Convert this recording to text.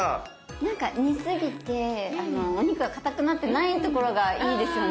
なんか煮すぎてお肉がかたくなってないところがいいですよね。